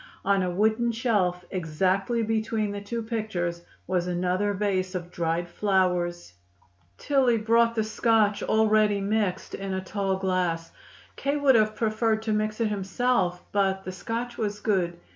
On a wooden shelf, exactly between the two pictures, was another vase of dried flowers. Tillie brought the Scotch, already mixed, in a tall glass. K. would have preferred to mix it himself, but the Scotch was good.